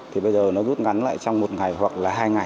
thì bây giờ nó rút ngắn lại trong một ngày hoặc là hai ngày